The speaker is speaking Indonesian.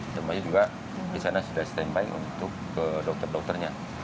termasuk juga di sana sudah standby untuk ke dokter dokternya